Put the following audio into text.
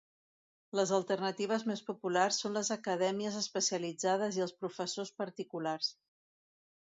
Les alternatives més populars són les acadèmies especialitzades i els professors particulars.